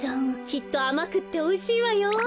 きっとあまくっておいしいわよ。